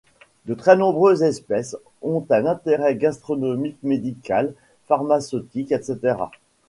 De très nombreuses espèces ont un intérêt gastronomique, médical, pharmaceutique, etc.